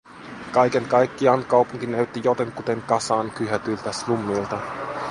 Kaiken kaikkiaan kaupunki näytti jotenkuten kasaan kyhätyltä slummilta.